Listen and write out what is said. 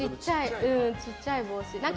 ちっちゃい帽子。